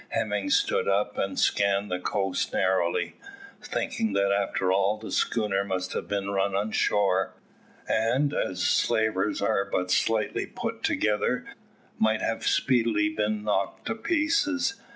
Hemming stood up and scanned the coast narrowly, thinking that after all the schooner might have been run on shore, and as slavers are but slightly put together, might have speedily been knocked to pieces.